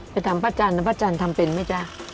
ไปทำป้าจันนะป้าจันทำเป็นไหมเจ้า